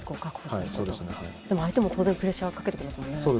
でも相手も当然プレッシャーはかけてきますよね。